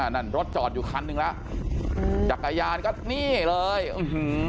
นั่นรถจอดอยู่คันหนึ่งแล้วจักรยานก็นี่เลยอื้อหือ